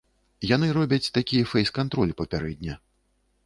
Яны робяць такі фэйс-кантроль папярэдне.